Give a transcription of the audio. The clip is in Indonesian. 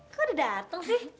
kok udah dateng sih